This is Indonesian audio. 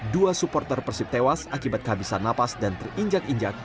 dua supporter persib tewas akibat kehabisan napas dan terinjak injak